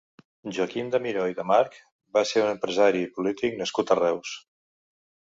Joaquim de Miró i de March va ser un empresari i polític nascut a Reus.